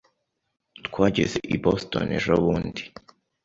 Twageze i Boston ejobundi.